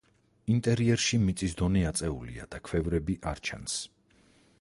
ინტერიერში მიწის დონე აწეულია და ქვევრები არ ჩანს.